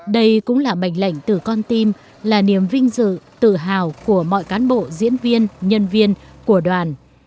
đây cũng là mệnh lệnh từ con tim là niềm vinh dự tự hào của mọi cán bộ diễn viên nhân viên của đoàn